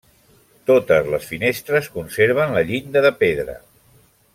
Totes les finestres conserven la llinda de pedra.